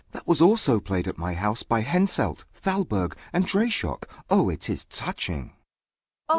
That was also played at my house by Henselt, Thalberg, and Dreyschock. Oh, it is touching!